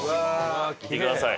見てください